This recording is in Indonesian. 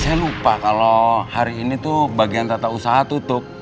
saya lupa kalau hari ini tuh bagian tata usaha tutup